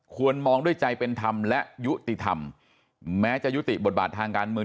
มองด้วยใจเป็นธรรมและยุติธรรมแม้จะยุติบทบาททางการเมือง